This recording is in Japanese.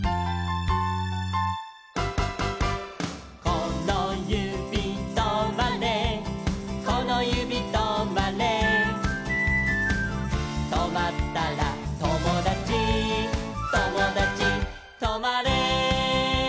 「このゆびとまれこのゆびとまれ」「とまったらともだちともだちとまれ」